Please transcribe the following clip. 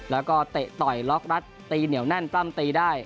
แล้วก็เตะต่อยล็อกรัดตีเหนียวแน่นปล้ำตีได้